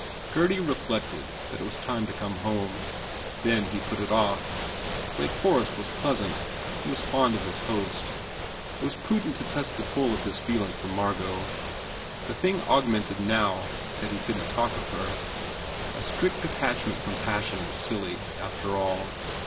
Gurdy reflected that it was time to come home. Then he put it off. Lake Forest was pleasant. He was fond of his host. It was prudent to test the pull of this feeling for Margot. The thing augmented now that he couldn t talk of her. A strict detachment from passion was silly, after all.